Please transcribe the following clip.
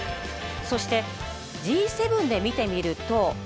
そしてＧ７で見てみると。